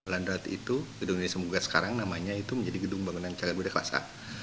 landrat itu gedung ini semoga sekarang namanya itu menjadi gedung bangunan cagat buda kelasa